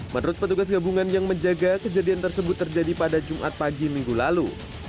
menurut petugas gabungan yang menjaga kejadian tersebut terjadi pada jumat pagi minggu lalu